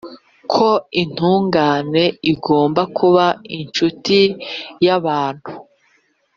ko intungane igomba kuba incuti y’abantu,